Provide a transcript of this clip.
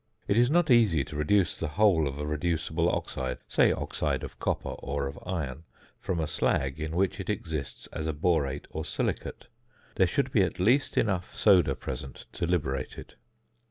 It is not easy to reduce the whole of a reducible oxide (say oxide of copper or of iron) from a slag in which it exists as a borate or silicate; there should be at least enough soda present to liberate it.